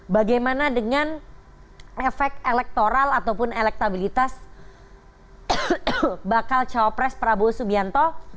bagaimana dengan efek elektoral ataupun elektabilitas bakal cawapres prabowo subianto